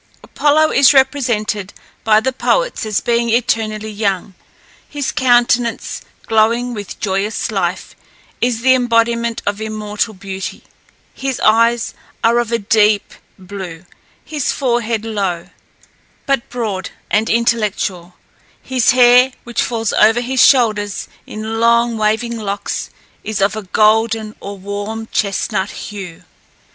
Apollo is represented by the poets as being eternally young; his countenance, glowing with joyous life, is the embodiment of immortal beauty; his eyes are of a deep blue; his forehead low, but broad and intellectual; his hair, which falls over his shoulders in long waving locks, is of a golden, or warm chestnut hue.